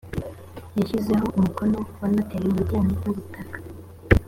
yashyizeho umukono wa noteri mu bijyanye n ‘ubutaka